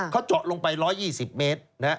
เขาเจาะลงไป๑๒๐เมตร